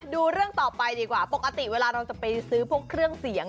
ดูเรื่องต่อไปดีกว่าปกติเวลาเราจะไปซื้อพวกเครื่องเสียง